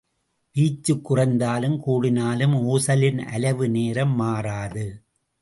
வீச்சு குறைந்தாலும் கூடினாலும் ஊசலின் அலைவு நேரம் மாறாது.